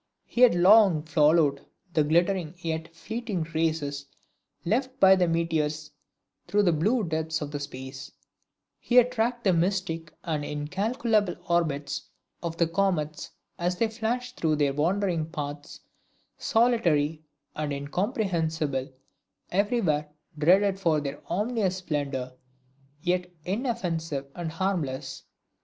He had long followed the glittering yet fleeting traces left by the meteors through the blue depths of space; he had tracked the mystic and incalculable orbits of the comets as they flash through their wandering paths, solitary and incomprehensible, everywhere dreaded for their ominous splendor, yet inoffensive and harmless.